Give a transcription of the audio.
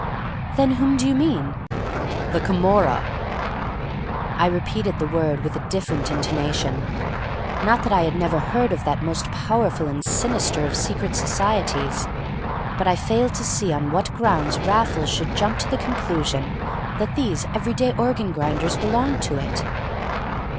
"Then whom do you mean?" "The Camorra!" I repeated the word with a different intonation. Not that I had never heard of that most powerful and sinister of secret societies; but I failed to see on what grounds Raffles should jump to the conclusion that these everyday organ grinders belonged to it.